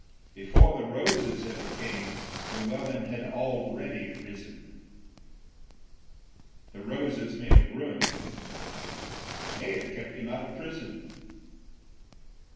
Before the roses ever came Llewellyn had already risen. The roses may have ruined him, They may have kept him out of prison.